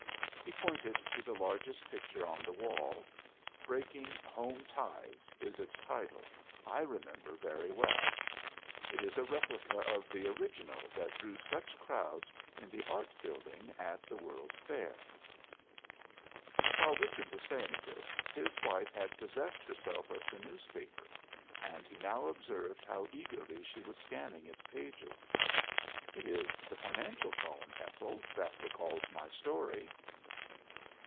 He pointed to the largest picture on the wall. "'Breaking Home Ties' is its title, I remember very well. It is a replica of the original that drew such crowds in the Art Building at the World's Fair." While Richard was saying this, his wife had possessed herself of the newspaper, and he now observed how eagerly she was scanning its pages. "It is the financial column, Ethel, that recalls my story."